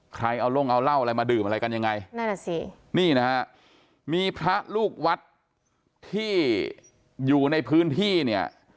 ใครเอาลงเอาเหล้าอะไรมาดื่มอะไรกันยังไงนั่นแหละสินี่นะฮะมีพระลูกวัดที่อยู่ในพื้นที่เนี่ย